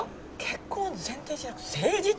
結婚を前提じゃなくて誠実？